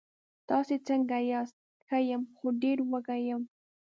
تاسې څنګه یاست؟ ښه یم، خو ډېر وږی یم.